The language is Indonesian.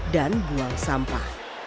dan buang sampah